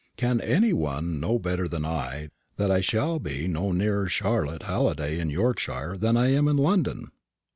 Can any one know better than I that I shall be no nearer Charlotte Halliday in Yorkshire than I am in London?